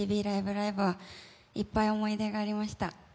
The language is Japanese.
ライブ！」はいっぱい思い出がありました。